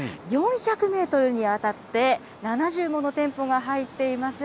４００メートルにわたって、７０もの店舗が入っています。